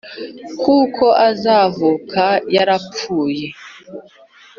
Kuko azavuka yarapfuye.